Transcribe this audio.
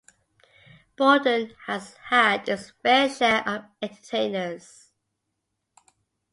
Bordon has had its fair share of entertainers.